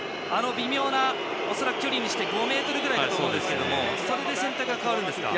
距離にして５ｍくらいかと思うんですがそれで選択が変わるんですか？